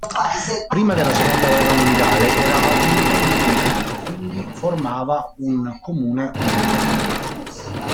Prima della seconda guerra mondiale, era una comunità indipendente, quindi formava un comune unico.